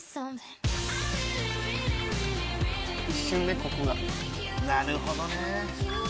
一瞬ここが。なるほどね。